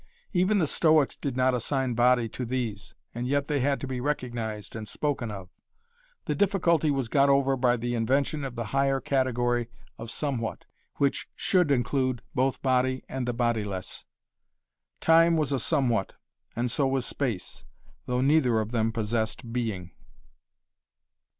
Even the Stoics did not assign body to these, and yet they had to be recognized and spoken of. The difficulty was got over by the invention of the higher category of somewhat, which should include both body and the bodiless. Time was a somewhat, and so was space, though neither of them possessed being.